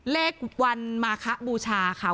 เลขวันมาคะบูชาค่ะ